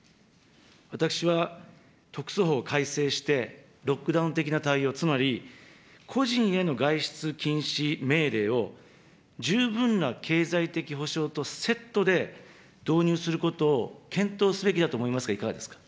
私は、特措法改正して、ロックダウン的な対応、つまり個人への外出禁止命令を十分な経済的補償とセットで導入することを検討すべきだと思いますが、いかがですか。